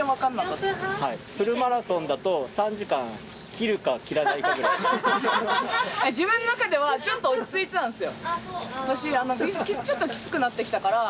フルマラソンだと３時間切る自分の中では、ちょっと落ち着いてたんですよ。